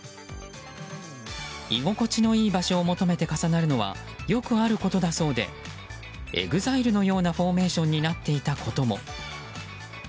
居心地のいい場所を求めて重なるのはよくあることだそうでＥＸＩＬＥのようなフォーメーションになっていたことも。